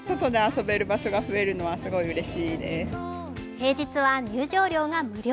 平日は入場料が無料。